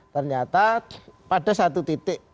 ternyata pada satu titik